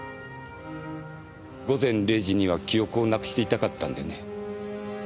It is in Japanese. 午前０時には記憶を失くしていたかったんでね。